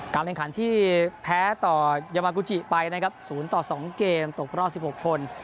การแรงขันที่แพ้ต่อยาวากูจิไปนะครับศูนย์ต่อสองเกมตกรอบสิบหกคน